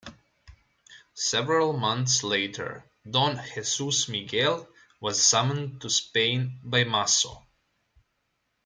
Several months later, Don Jesus Miguel was summoned to Spain by Maso.